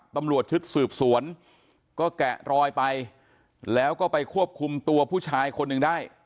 ตำรวจชุดสืบสวนก็แกะรอยไปแล้วก็ไปควบคุมตัวผู้ชายคนหนึ่งได้